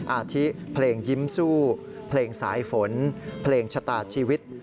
อาทิเพลงยิ้มสู้เพลงสายฝนเพลงชะตาชีวิต